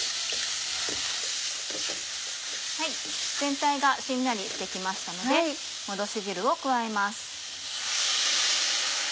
全体がしんなりして来ましたのでもどし汁を加えます。